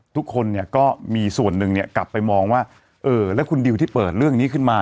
ทุกคนก็มีส่วนหนึ่งกลับไปมองว่าแล้วคุณดิวที่เปิดเรื่องนี้ขึ้นมา